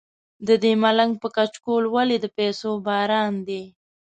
ددې ملنګ په کچکول ولې د پیسو باران دی.